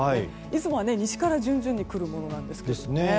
いつもは西から順々に来るものですけどね。